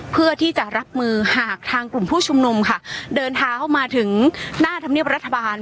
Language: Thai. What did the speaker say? เพื่อที่จะรับมือหากทางกลุ่มผู้ชุมนุมค่ะเดินเท้าเข้ามาถึงหน้าธรรมเนียบรัฐบาล